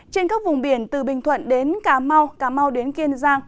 trên các vùng biển từ bình thuận đến cà mau cà mau đến kiên giang